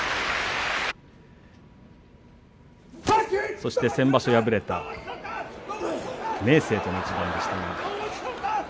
そして先場所敗れた明生との一番でした。